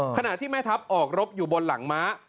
ขณะที่แม่ทัพออกรบอยู่บนหลังม้า